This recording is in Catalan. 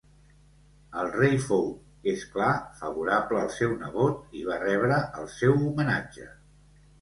El rei fou, és clar, favorable al seu nebot i va rebre el seu homenatge.